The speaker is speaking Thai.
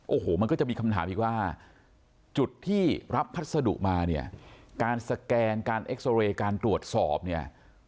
โอ้โหมันก็จะมีคำถามอีกว่าจุดที่รับพัสดุมาเนี่ยการสแกนการเอ็กซอเรย์การตรวจสอบเนี่ย